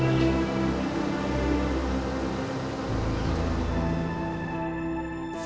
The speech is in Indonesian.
tapi kan ini bukan arah rumah